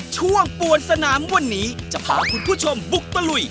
ช่วงปวนสนามวันนี้จะพาคุณผู้ชมบุกตะลุย